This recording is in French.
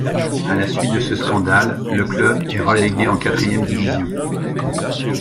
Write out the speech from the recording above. À la suite de ce scandale, le club est relégué en quatrième division.